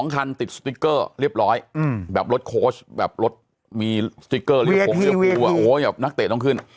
๒คันติดสติกเกอร์เรียบร้อยแบบรถโค้ชแบบรถมีสติกเกอร์เรียบร้อย